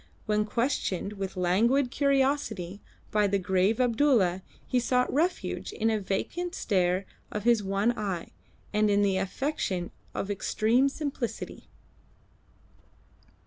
When questioned with languid courtesy by the grave Abdulla he sought refuge in a vacant stare of his one eye, and in the affectation of extreme simplicity.